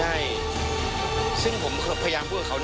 มันก็ยังอยากถามว่าทำไมต้องเป็นลูกของด้วย